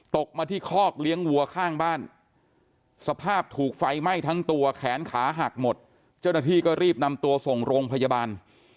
ตกมาที่คอกเลี้ยงวัวข้างบ้านสภาพถูกไฟไหม้ทั้งตัวแขนขาหักหมดเจ้าหน้าที่ก็รีบนำตัวส่งโรงพยาบาล